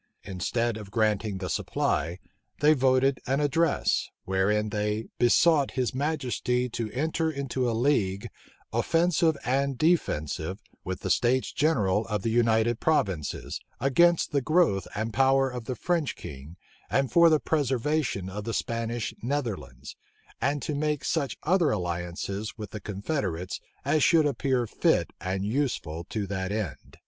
Instead of granting the supply, they voted an address, wherein they "besought his majesty to enter into a league, offensive and defensive, with the states general of the United Provinces, against the growth and power of the French king, and for the preservation of the Spanish Netherlands; and to make such other alliances with the confederates as should appear fit and useful to that end."